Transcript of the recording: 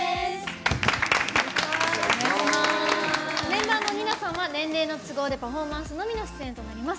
メンバーのＮＩＮＡさんは年齢の都合でパフォーマンスのみの出演となります。